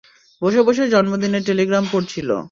বসে বসে জন্মদিনের টেলিগ্রাম পড়ছিল।